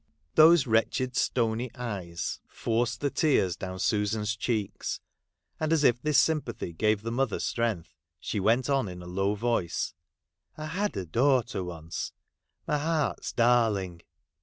Those wretched stony eyes forced the tears down Susan's cheeks, and, as if this sympathy gave the mother strength, she went on in a low voice, ' I liad a daughter once, my heart's darling.